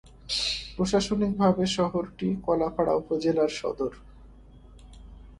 প্রশাসনিকভাবে শহরটি কলাপাড়া উপজেলার সদর।